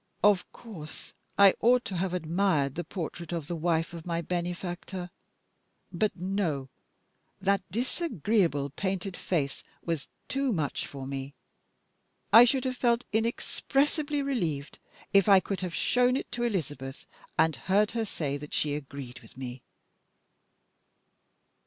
Of course I ought to have admired the portrait of the wife of my benefactor. But no that disagreeable painted face was too much for me. I should have felt inexpressibly relieved, if I could have shown it to Elizabeth, and heard her say that she agreed with me."